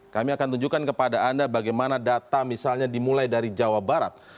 kami akan tunjukkan kepada anda bagaimana data misalnya dimulai dari jawa barat